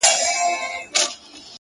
ويني ته مه څښه اوبه وڅښه،